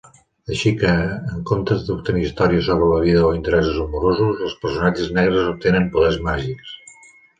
Així que, en comptes d'obtenir històries sobre la vida o interessos amorosos, els personatges negres obtenen poders màgics.